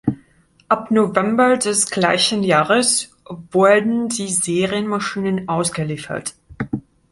Ab November des gleichen Jahres wurden die Serienmaschinen ausgeliefert.